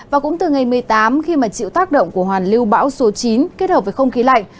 và cũng từ ngày một mươi tám khi mà chịu tác động của hoàn lưu bão số chín kết hợp với không khí lạnh